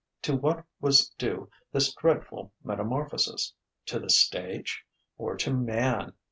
To what was due this dreadful metamorphosis? To the stage? Or to Man?